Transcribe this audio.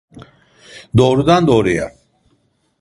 Doğrudan doğruya